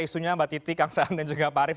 isunya mbak titi kang saan dan juga pak arief